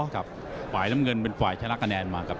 ฝ่ายน้ำเงินเป็นฝ่ายชนะคะแนนมาครับ